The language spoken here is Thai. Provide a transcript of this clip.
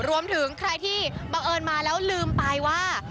รวมถึงใครที่บังเอิญมาแล้วลืมไปว่า